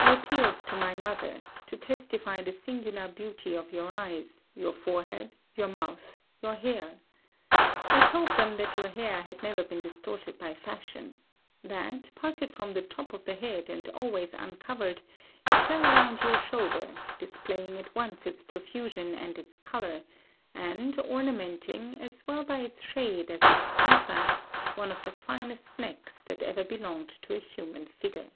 I appealed to my mother, to testify the singular beauty of your eyes, your forehead, your mouth, your hair. I told them that your hair had never been distorted by fashion; that, parted from the top of the head and always uncovered, it fell around your shoulder, displaying at once its profusion and its colour, and ornamenting, as well by its shade as its contrast, one of the finest necks that ever belonged to a human figure.